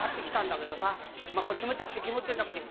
冷たくて気持ちいいんだこれ。